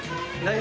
何？